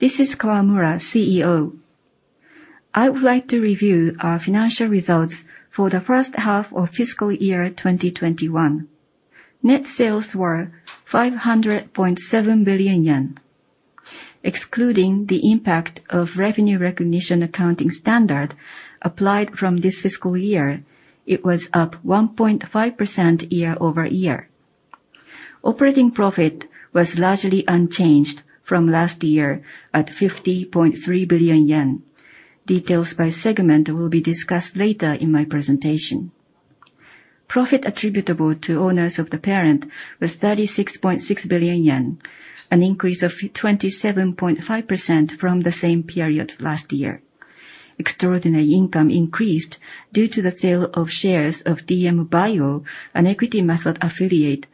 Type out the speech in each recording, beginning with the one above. This is Kawamura, CEO. I would like to review our financial results for the first half of fiscal year 2021. Net sales were 500.7 billion yen. Excluding the impact of revenue recognition accounting standard applied from this fiscal year, it was up 1.5% year-over-year. Operating profit was largely unchanged from last year at 50.3 billion yen. Details by segment will be discussed later in my presentation. Profit attributable to owners of the parent was 36.6 billion yen, an increase of 27.5% from the same period last year. Extraordinary income increased due to the sale of shares of DM Bio, an equity method affiliate,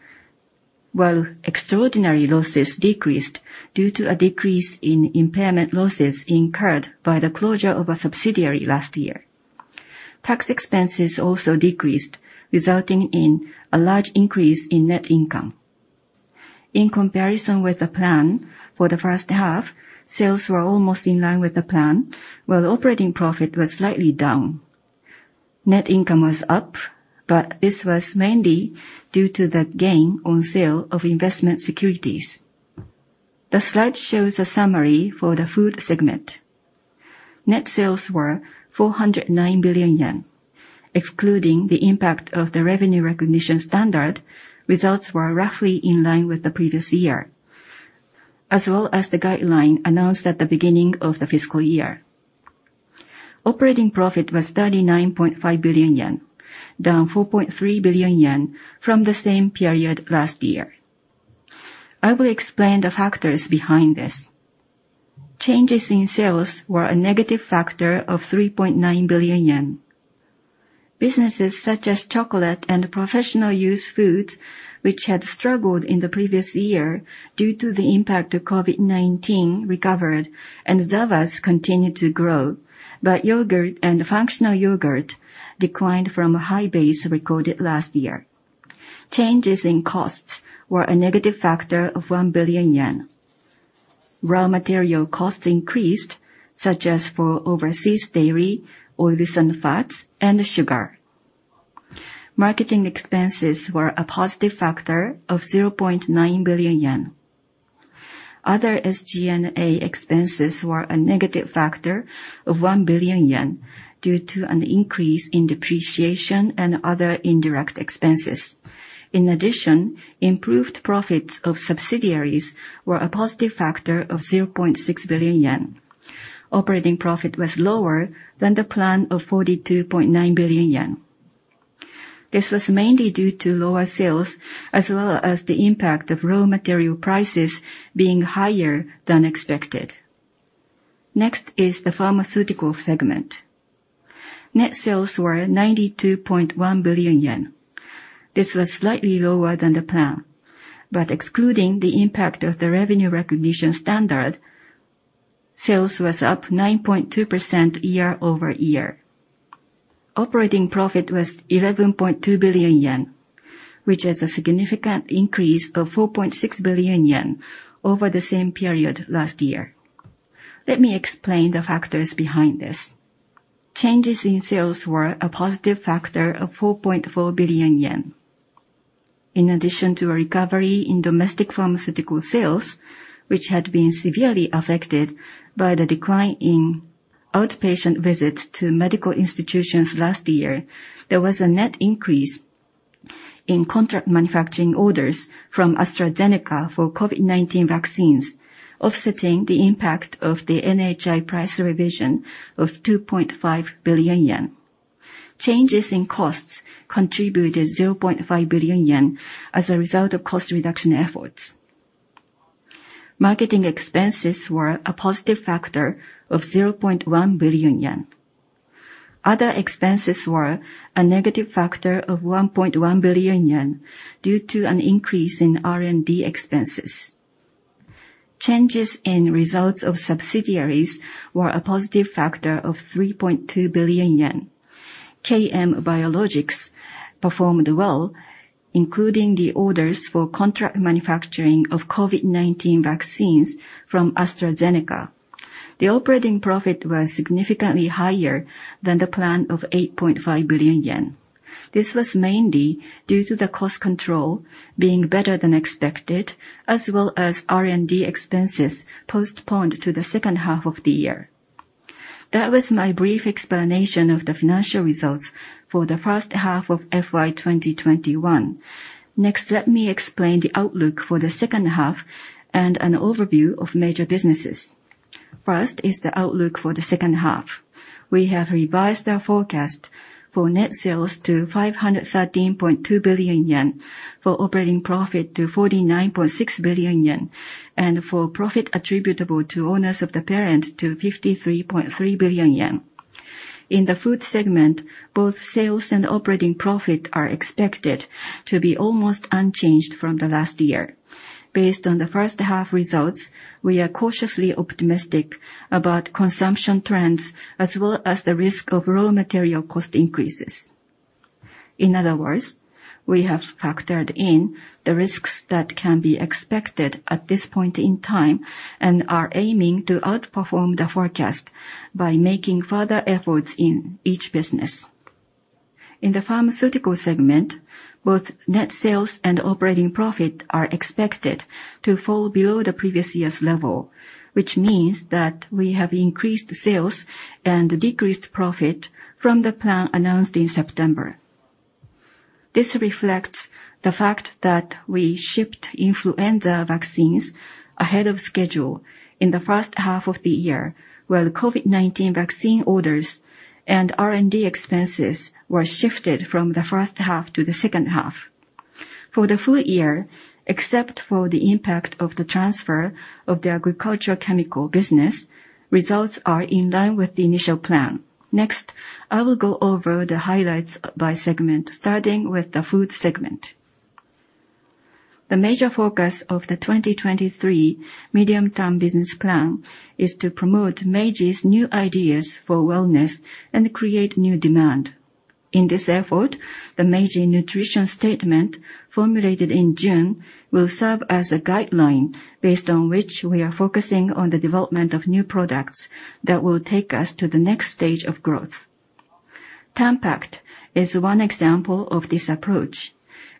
while extraordinary losses decreased due to a decrease in impairment losses incurred by the closure of a subsidiary last year. Tax expenses also decreased, resulting in a large increase in net income. In comparison with the plan for the first half, sales were almost in line with the plan, while operating profit was slightly down. Net income was up, but this was mainly due to the gain on sale of investment securities. The slide shows a summary for the food segment. Net sales were 409 billion yen. Excluding the impact of the revenue recognition standard, results were roughly in line with the previous year, as well as the guideline announced at the beginning of the fiscal year. Operating profit was 39.5 billion yen, down 4.3 billion yen from the same period last year. I will explain the factors behind this. Changes in sales were a negative factor of 3.9 billion yen. Businesses such as chocolate and protein foods, which had struggled in the previous year due to the impact of COVID-19, recovered, and SAVAS continued to grow. Yogurt and functional yogurt declined from a high base recorded last year. Changes in costs were a negative factor of 1 billion yen. Raw material costs increased, such as for overseas dairy, oils and fats, and sugar. Marketing expenses were a positive factor of 0.9 billion yen. Other SG&A expenses were a negative factor of 1 billion yen due to an increase in depreciation and other indirect expenses. In addition, improved profits of subsidiaries were a positive factor of 0.6 billion yen. Operating profit was lower than the plan of 42.9 billion yen. This was mainly due to lower sales as well as the impact of raw material prices being higher than expected. Next is the pharmaceutical segment. Net sales were 92.1 billion yen. This was slightly lower than the plan, but excluding the impact of the revenue recognition standard, sales was up 9.2% year-over-year. Operating profit was 11.2 billion yen, which is a significant increase of 4.6 billion yen over the same period last year. Let me explain the factors behind this. Changes in sales were a positive factor of 4.4 billion yen. In addition to a recovery in domestic pharmaceutical sales, which had been severely affected by the decline in outpatient visits to medical institutions last year, there was a net increase in contract manufacturing orders from AstraZeneca for COVID-19 vaccines, offsetting the impact of the NHI price revision of 2.5 billion yen. Changes in costs contributed 0.5 billion yen as a result of cost reduction efforts. Marketing expenses were a positive factor of 0.1 billion yen. Other expenses were a negative factor of 1.1 billion yen due to an increase in R&D expenses. Changes in results of subsidiaries were a positive factor of 3.2 billion yen. KM Biologics performed well, including the orders for contract manufacturing of COVID-19 vaccines from AstraZeneca. The operating profit was significantly higher than the plan of 8.5 billion yen. This was mainly due to the cost control being better than expected, as well as R&D expenses postponed to the second half of the year. That was my brief explanation of the financial results for the H1 of FY 2021. Next, let me explain the outlook for the H2 and an overview of major businesses. First is the outlook for the H2. We have revised our forecast for net sales to 513.2 billion yen. For operating profit to 49.6 billion yen, and for profit attributable to owners of the parent to 53.3 billion yen. In the food segment, both sales and operating profit are expected to be almost unchanged from the last year. Based on the first half results, we are cautiously optimistic about consumption trends as well as the risk of raw material cost increases. In other words, we have factored in the risks that can be expected at this point in time and are aiming to outperform the forecast by making further efforts in each business. In the Pharmaceutical segment, both net sales and operating profit are expected to fall below the previous year's level, which means that we have increased sales and decreased profit from the plan announced in September. This reflects the fact that we shipped influenza vaccines ahead of schedule in the first half of the year, while the COVID-19 vaccine orders and R&D expenses were shifted from the H1 to the H2. For the full year, except for the impact of the transfer of the agricultural chemical business, results are in line with the initial plan. Next, I will go over the highlights by segment, starting with the Food segment. The major focus of the 2023 medium-term business plan is to promote Meiji's new ideas for wellness and create new demand. In this effort, the Meiji Nutrition Statement formulated in June will serve as a guideline based on which we are focusing on the development of new products that will take us to the next stage of growth. TANPACT is one example of this approach,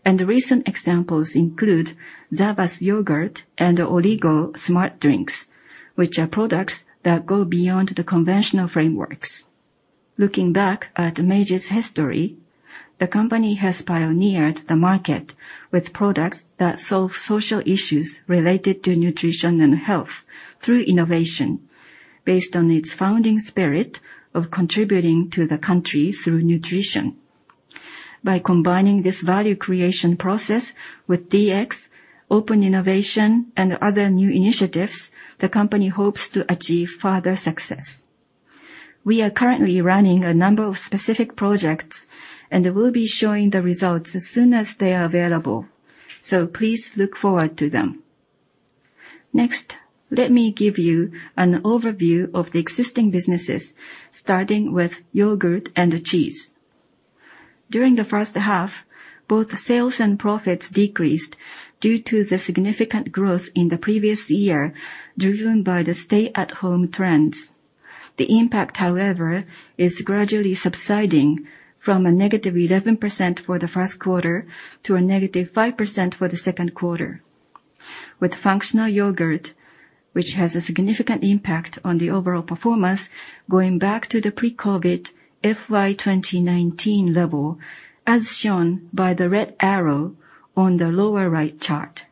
and recent examples include SAVAS yogurt and Oligosmart drinks, which are products that go beyond the conventional frameworks. Looking back at Meiji's history, the company has pioneered the market with products that solve social issues related to nutrition and health through innovation based on its founding spirit of contributing to the country through nutrition. By combining this value creation process with DX, open innovation, and other new initiatives, the company hopes to achieve further success. We are currently running a number of specific projects, and we'll be showing the results as soon as they are available, so please look forward to them. Next, let me give you an overview of the existing businesses, starting with yogurt and cheese. During the first half, both sales and profits decreased due to the significant growth in the previous year, driven by the stay-at-home trends. The impact, however, is gradually subsiding from a negative 11% for the Q1 to a negative 5% for the Q2, with functional yogurt, which has a significant impact on the overall performance, going back to the pre-COVID FY 2019 level, as shown by the red arrow on the lower right chart.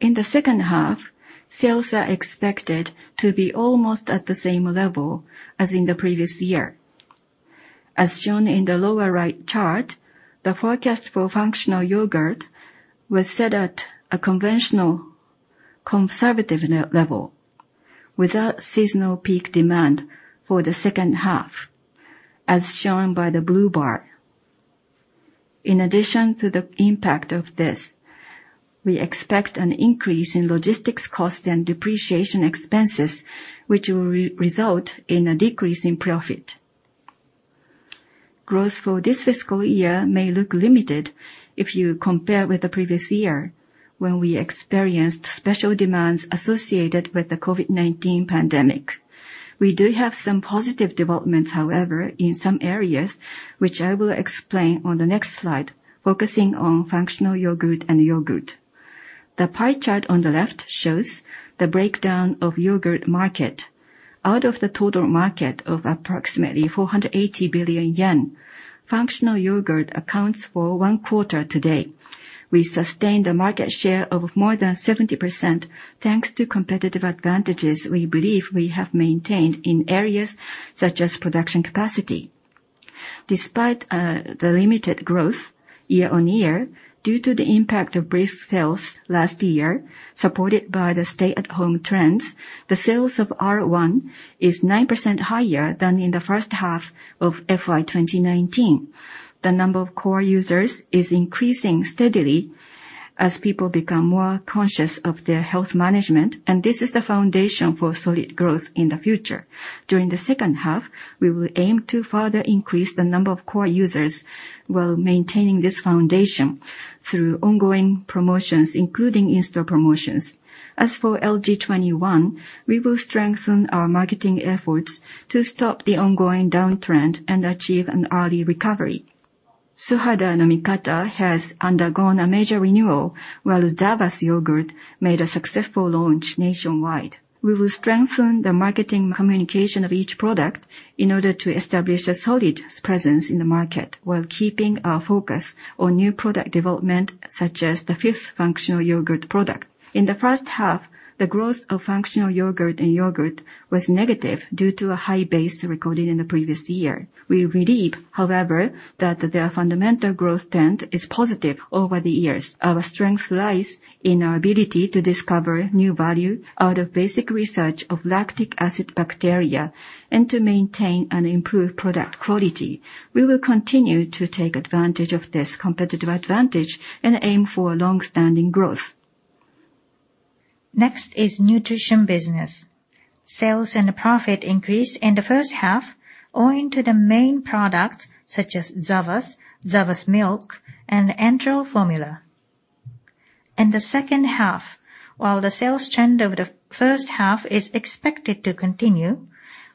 In the H1, sales are expected to be almost at the same level as in the previous year. As shown in the lower right chart, the forecast for functional yogurt was set at a conventional conservative level, without seasonal peak demand for the H2, as shown by the blue bar. In addition to the impact of this, we expect an increase in logistics costs and depreciation expenses, which will result in a decrease in profit. Growth for this fiscal year may look limited if you compare with the previous year when we experienced special demands associated with the COVID-19 pandemic. We do have some positive developments, however, in some areas which I will explain on the next slide, focusing on functional yogurt and yogurt. The pie chart on the left shows the breakdown of yogurt market. Out of the total market of approximately 480 billion yen, functional yogurt accounts for Q1 today. We sustain the market share of more than 70% thanks to competitive advantages we believe we have maintained in areas such as production capacity. Despite the limited growth year-over-year due to the impact of brisk sales last year, supported by the stay-at-home trends, the sales of R-1 is 9% higher than in the H1 of FY 2019. The number of core users is increasing steadily as people become more conscious of their health management, and this is the foundation for solid growth in the future. During the H2, we will aim to further increase the number of core users while maintaining this foundation through ongoing promotions, including in-store promotions. As for LG21, we will strengthen our marketing efforts to stop the ongoing downtrend and achieve an early recovery. Suhada no Mikata has undergone a major renewal, while SAVAS yogurt made a successful launch nationwide. We will strengthen the marketing communication of each product in order to establish a solid presence in the market while keeping our focus on new product development, such as the fifth functional yogurt product. In the H1, the growth of functional yogurt and yogurt was negative due to a high base recorded in the previous year. We believe, however, that their fundamental growth trend is positive over the years. Our strength lies in our ability to discover new value out of basic research of lactic acid bacteria and to maintain and improve product quality. We will continue to take advantage of this competitive advantage and aim for long-standing growth. Next is nutrition business. Sales and profit increased in the H1 owing to the main products such as SAVAS Milk Protein, and Hohoemi Formula. In the second half, while the sales trend of the first half is expected to continue,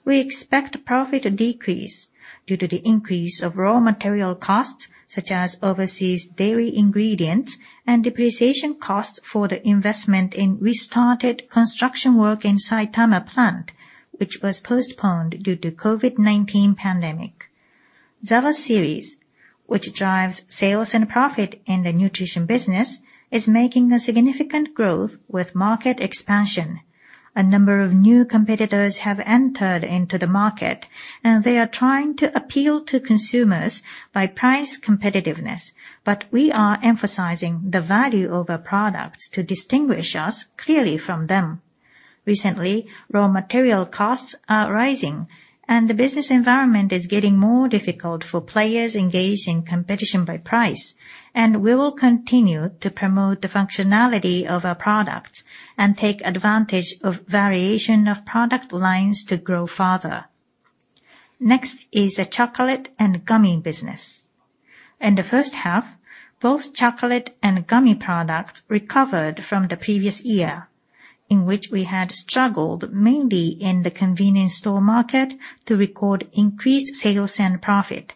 we expect profit to decrease due to the increase of raw material costs such as overseas dairy ingredients and depreciation costs for the investment in restarted construction work in Saitama plant, which was postponed due to COVID-19 pandemic. SAVAS series, which drives sales and profit in the nutrition business, is making a significant growth with market expansion. A number of new competitors have entered into the market, and they are trying to appeal to consumers by price competitiveness, but we are emphasizing the value of our products to distinguish us clearly from them. Recently, raw material costs are rising, and the business environment is getting more difficult for players engaged in competition by price. We will continue to promote the functionality of our products and take advantage of variety of product lines to grow farther. Next is the chocolate and gummy business. In the H1, both chocolate and gummy products recovered from the previous year, in which we had struggled mainly in the convenience store market to record increased sales and profit.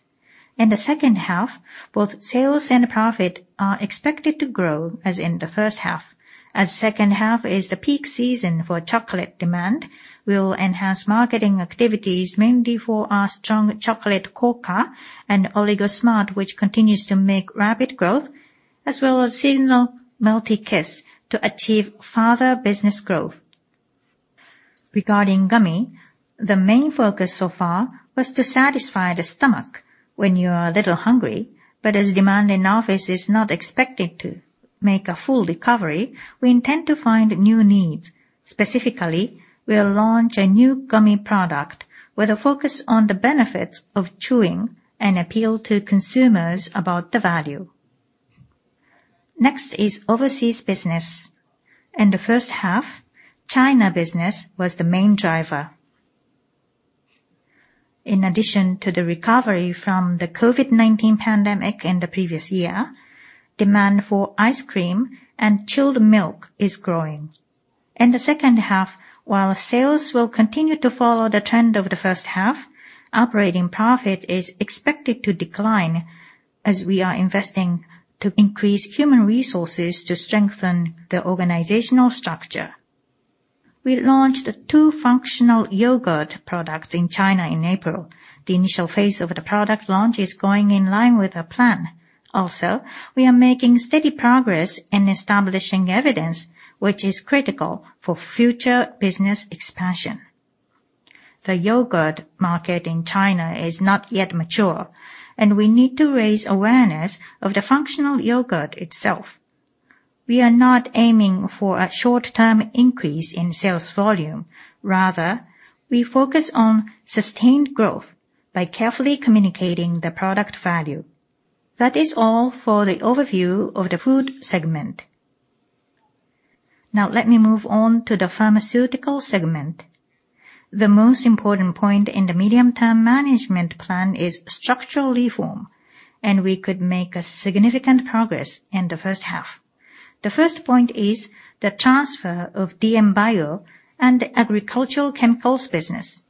In the H2, both sales and profit are expected to grow as in the first half. As the second half is the peak season for chocolate demand, we'll enhance marketing activities mainly for our strong Chocolate Kouka and Oligosmart, which continues to make rapid growth, as well as seasonal Melty Kiss to achieve further business growth. Regarding gummy, the main focus so far was to satisfy the stomach when you are a little hungry. As demand in office is not expected to make a full recovery, we intend to find new needs. Specifically, we'll launch a new gummy product with a focus on the benefits of chewing and appeal to consumers about the value. Next is overseas business. In the H1, China business was the main driver. In addition to the recovery from the COVID-19 pandemic in the previous year, demand for ice cream and chilled milk is growing. In the H2, while sales will continue to follow the trend of the first half, operating profit is expected to decline as we are investing to increase human resources to strengthen the organizational structure. We launched two functional yogurt products in China in April. The initial phase of the product launch is going in line with our plan. Also, we are making steady progress in establishing evidence, which is critical for future business expansion. The yogurt market in China is not yet mature, and we need to raise awareness of the functional yogurt itself. We are not aiming for a short-term increase in sales volume. Rather, we focus on sustained growth by carefully communicating the product value. That is all for the overview of the food segment. Now let me move on to the pharmaceutical segment. The most important point in the medium-term management plan is structural reform, and we could make a significant progress in the H1. The first point is the transfer of DM Bio and agricultural chemicals business.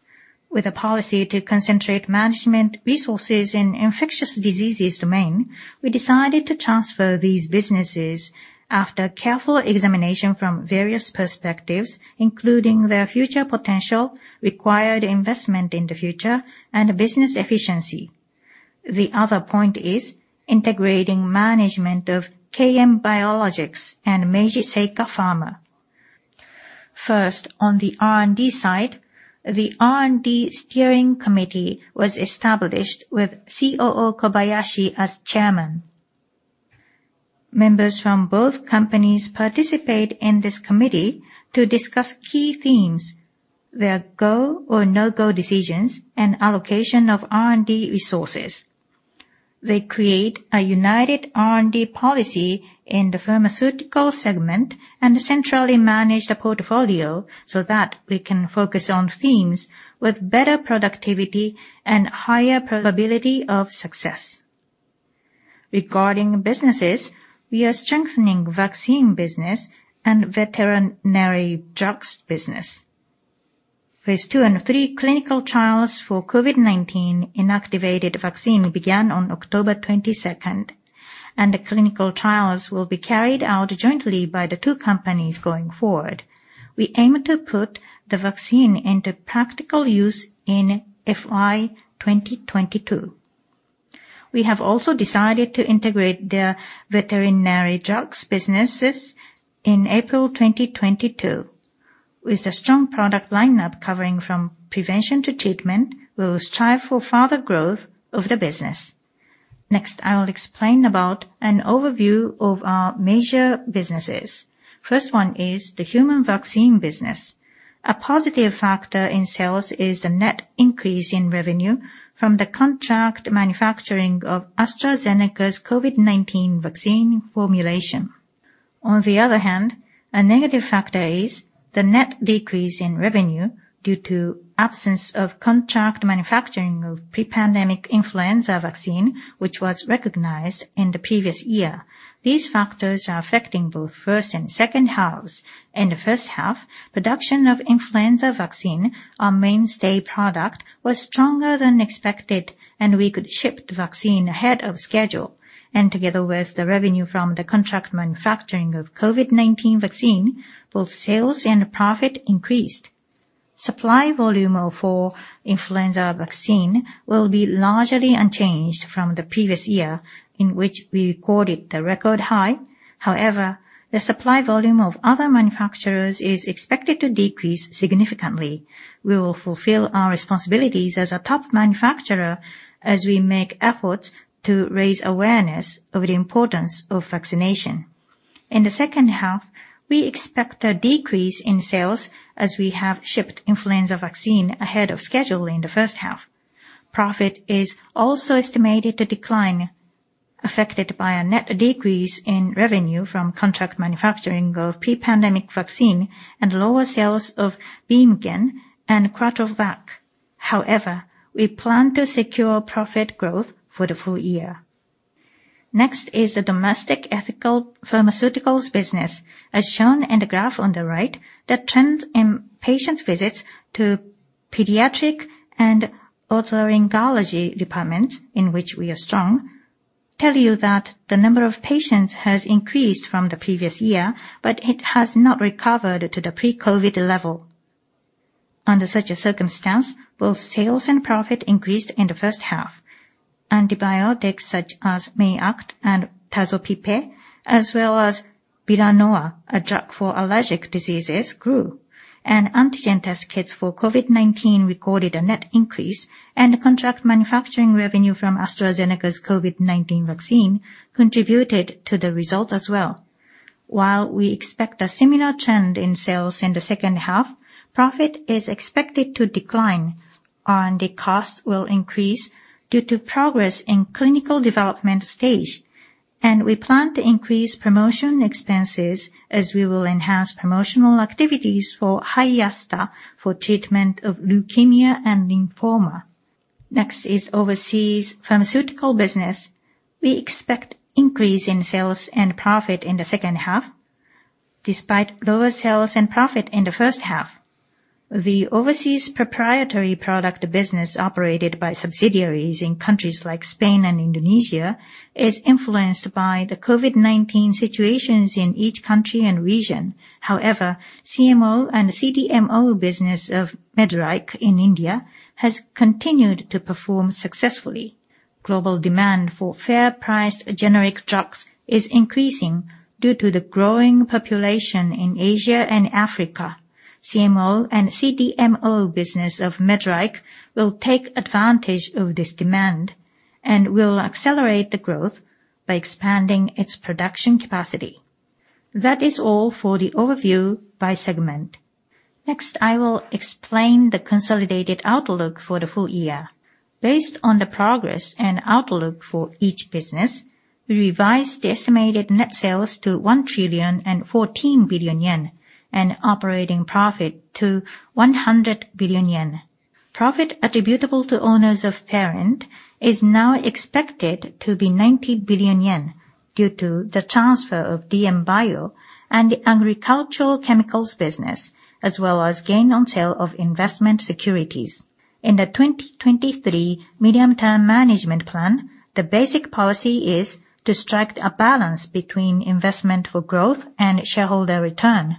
With a policy to concentrate management resources in infectious diseases domain, we decided to transfer these businesses after careful examination from various perspectives, including their future potential, required investment in the future, and business efficiency. The other point is integrating management of KM Biologics and Meiji Seika Pharma. First, on the R&D side, the R&D steering committee was established with COO Kobayashi as chairman. Members from both companies participate in this committee to discuss key themes, their go or no-go decisions, and allocation of R&D resources. They create a united R&D policy in the pharmaceutical segment and centrally manage the portfolio so that we can focus on themes with better productivity and higher probability of success. Regarding businesses, we are strengthening vaccine business and veterinary drugs business. phase II and III clinical trials for COVID-19 inactivated vaccine began on October 22nd, and the clinical trials will be carried out jointly by the two companies going forward. We aim to put the vaccine into practical use in FY 2022. We have also decided to integrate the veterinary drugs businesses in April 2022. With a strong product lineup covering from prevention to treatment, we will strive for further growth of the business. Next, I will explain about an overview of our major businesses. First one is the human vaccine business. A positive factor in sales is the net increase in revenue from the contract manufacturing of AstraZeneca's COVID-19 vaccine formulation. On the other hand, a negative factor is the net decrease in revenue due to absence of contract manufacturing of pre-pandemic influenza vaccine, which was recognized in the previous year. These factors are affecting both first and H2. In the H1, production of influenza vaccine, our mainstay product, was stronger than expected, and we could ship the vaccine ahead of schedule. Together with the revenue from the contract manufacturing of COVID-19 vaccine, both sales and profit increased. Supply volume for influenza vaccine will be largely unchanged from the previous year in which we recorded the record high. However, the supply volume of other manufacturers is expected to decrease significantly. We will fulfill our responsibilities as a top manufacturer as we make efforts to raise awareness of the importance of vaccination. In the H2, we expect a decrease in sales as we have shipped influenza vaccine ahead of schedule in the first half. Profit is also estimated to decline, affected by a net decrease in revenue from contract manufacturing of pre-pandemic vaccine and lower sales of Bimmugen and QUATTROVAX. However, we plan to secure profit growth for the full year. Next is the domestic ethical pharmaceuticals business. As shown in the graph on the right, the trends in patient visits to pediatric and otolaryngology departments, in which we are strong, tell you that the number of patients has increased from the previous year, but it has not recovered to the pre-COVID level. Under such a circumstance, both sales and profit increased in the H1. Antibiotics such as MEIACT and Tazopiperan, as well as Bilanoa, a drug for allergic diseases, grew. Antigen test kits for COVID-19 recorded a net increase, and contract manufacturing revenue from AstraZeneca's COVID-19 vaccine contributed to the results as well. While we expect a similar trend in sales in the second half, profit is expected to decline and the costs will increase due to progress in clinical development stage. We plan to increase promotion expenses as we will enhance promotional activities for Hiasca for treatment of leukemia and lymphoma. Next is overseas pharmaceutical business. We expect increase in sales and profit in the H2 despite lower sales and profit in the H1. The overseas proprietary product business operated by subsidiaries in countries like Spain and Indonesia is influenced by the COVID-19 situations in each country and region. However, CMO and CDMO business of Medreich in India has continued to perform successfully. Global demand for fair priced generic drugs is increasing due to the growing population in Asia and Africa. CMO and CDMO business of Medreich will take advantage of this demand and will accelerate the growth by expanding its production capacity. That is all for the overview by segment. Next, I will explain the consolidated outlook for the full year. Based on the progress and outlook for each business, we revised the estimated net sales to 1,014 billion yen and operating profit to 100 billion yen. Profit attributable to owners of parent is now expected to be 90 billion yen due to the transfer of DM Bio and the agricultural chemicals business, as well as gain on sale of investment securities. In the 2023 medium-term management plan, the basic policy is to strike a balance between investment for growth and shareholder return.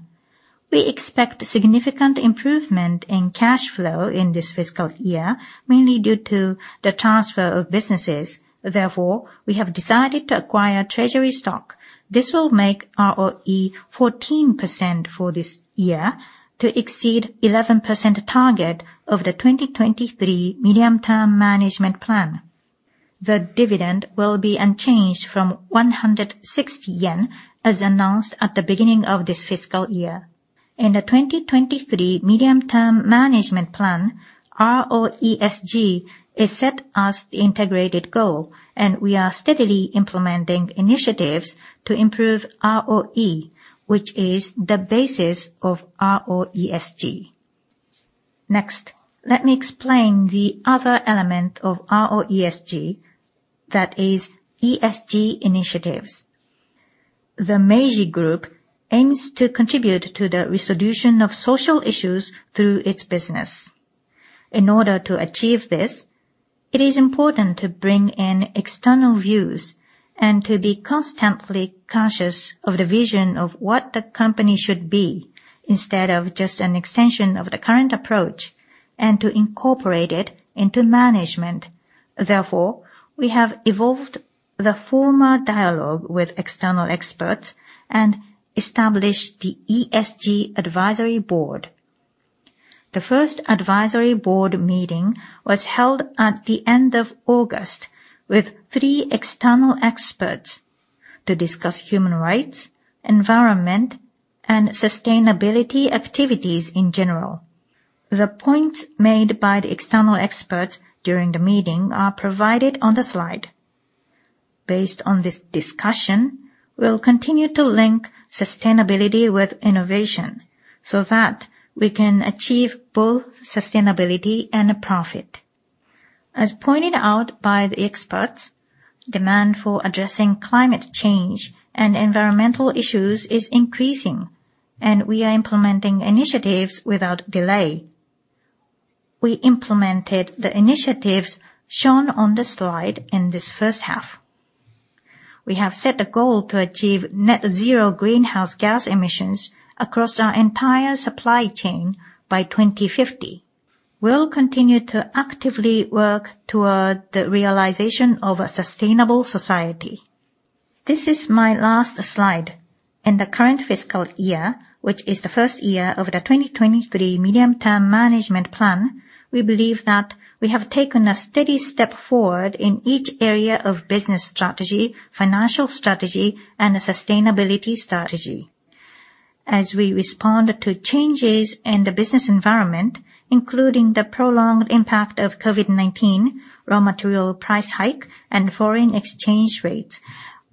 We expect significant improvement in cash flow in this fiscal year, mainly due to the transfer of businesses. Therefore, we have decided to acquire treasury stock. This will make ROE 14% for this year to exceed 11% target of the 2023 medium-term management plan. The dividend will be unchanged from 160 yen as announced at the beginning of this fiscal year. In the 2023 medium-term management plan, ROESG is set as the integrated goal, and we are steadily implementing initiatives to improve ROE, which is the basis of ROESG. Next, let me explain the other element of ROESG. That is ESG initiatives. The Meiji Group aims to contribute to the resolution of social issues through its business. In order to achieve this, it is important to bring in external views and to be constantly conscious of the vision of what the company should be instead of just an extension of the current approach and to incorporate it into management. Therefore, we have evolved the former dialogue with external experts and established the ESG Advisory Board. The first advisory board meeting was held at the end of August with three external experts to discuss human rights, environment, and sustainability activities in general. The points made by the external experts during the meeting are provided on the slide. Based on this discussion, we'll continue to link sustainability with innovation so that we can achieve both sustainability and profit. As pointed out by the experts, demand for addressing climate change and environmental issues is increasing, and we are implementing initiatives without delay. We implemented the initiatives shown on the slide in this H1. We have set a goal to achieve net zero greenhouse gas emissions across our entire supply chain by 2050. We'll continue to actively work toward the realization of a sustainable society. This is my last slide. In the current fiscal year, which is the first year of the 2023 medium-term management plan, we believe that we have taken a steady step forward in each area of business strategy, financial strategy, and a sustainability strategy. As we respond to changes in the business environment, including the prolonged impact of COVID-19, raw material price hike, and foreign exchange rates,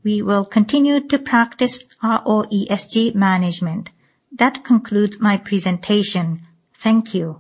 we will continue to practice ROESG management. That concludes my presentation. Thank you.